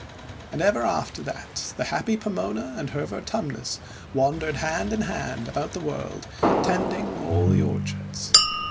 And ever after that the happy Pomona and her Vertumnus wandered hand in hand about the world tending all the orchards.